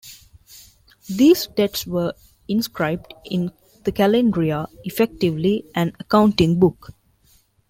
These debts were inscribed in the "kalendaria", effectively an accounting book.